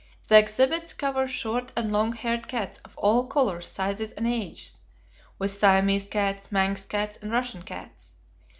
The exhibits cover short and long haired cats of all colors, sizes, and ages, with Siamese cats, Manx cats, and Russian cats.